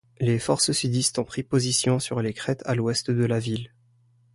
Les forces sudistes ont pris position sur les crêtes, à l'ouest de la ville.